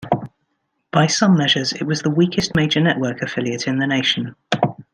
By some measures, it was the weakest major-network affiliate in the nation.